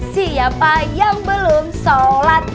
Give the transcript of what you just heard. siapa yang belum sholat